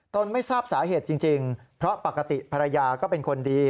ไม่ทราบสาเหตุจริงเพราะปกติภรรยาก็เป็นคนดี